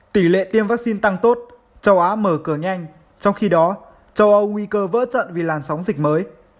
tỷ lệ tiêm vaccine tăng tốt châu á mở cửa nhanh trong khi đó châu âu nguy cơ vỡ trận vì làn sóng dịch mới